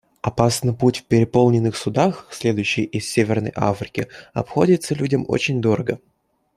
Опасный путь в переполненных судах, следующих из Северной Африки, обходится людям очень дорого.